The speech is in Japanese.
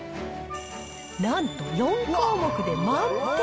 なんと４項目で満点。